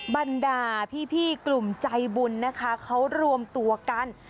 บรรดาพี่กลุ่มใจบุญนะคะเขารวมตัวกัน